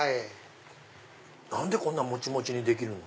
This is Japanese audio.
何でもちもちにできるの？